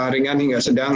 ringan hingga sedang